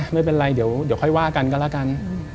ไม่เป็นไรเดี๋ยวค่อยว่ากันก็แล้วกัน